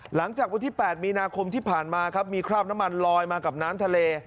หลังจากวันที่๘มีนาคมที่ผ่านมาครับมีคราบน้ำมันลอยมากับน้ำทะเล